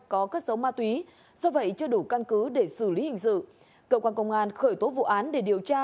có cất dấu ma túy do vậy chưa đủ căn cứ để xử lý hình sự cơ quan công an khởi tố vụ án để điều tra